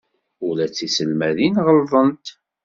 Ula d tiselmadin ɣellḍent.